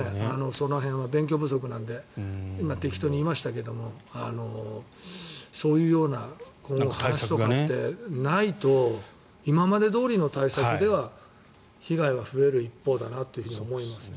その辺は勉強不足なので今、適当に言いましたけどもそういう対策とかってないと今までどおりの対策では被害は増える一方だなというふうに思いますね。